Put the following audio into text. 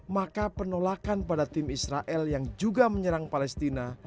maka penolakan pada tim israel yang juga menyerang palestina